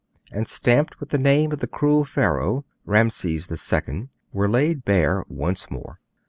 and stamped with the name of the cruel Pharaoh (Ramesis the Second) were laid bare once more.